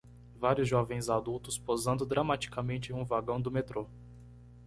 Vários jovens adultos posando dramaticamente em um vagão do metrô.